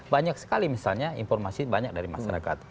banyak sekali misalnya informasi banyak dari masyarakat